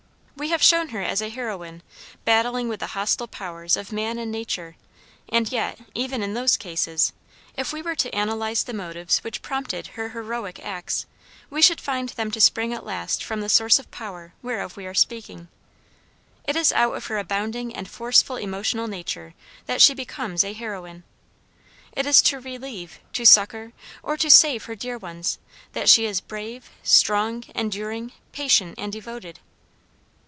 We have shown her as a heroine, battling with the hostile powers of man and nature, and yet, even in those cases, if we were to analyze the motives which prompted her heroic acts, we should find them to spring at last from the source of power whereof we are speaking. It is out of her abounding and forceful emotional nature that she becomes a heroine. It is to relieve, to succor, or to save her dear ones, that she is brave, strong, enduring, patient, and devoted.